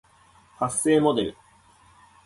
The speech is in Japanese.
発声モデル